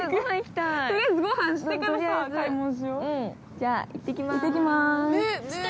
じゃあ、行ってきまーす。